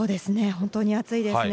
本当に暑いですね。